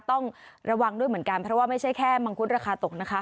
ต้องระวังด้วยเหมือนกันเพราะว่าไม่ใช่แค่มังคุดราคาตกนะคะ